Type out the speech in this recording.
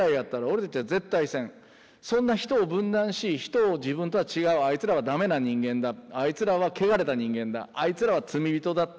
そんな人を分断し人を自分とは違うあいつらはダメな人間だあいつらはけがれた人間だあいつらは罪人だ